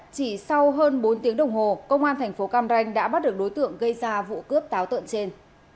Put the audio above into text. chỉ sau hơn bốn tiếng đồng hồ công an thành phố cam ranh đã bắt được đối tượng gây ra vụ cướp táo tợn trên